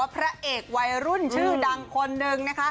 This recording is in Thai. พระเอกวัยรุ่นชื่อดังคนนึงนะคะ